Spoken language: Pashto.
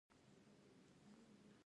شخصي عقیدې باید په ژبه کې دخیل نشي.